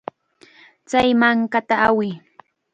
Chay mankata awiy.